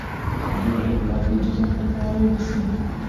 دوی د خپلواکۍ جشن ته تياری نيسي.